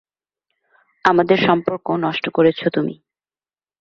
আমাদের সম্পর্ক নষ্ট করেছো তুমি।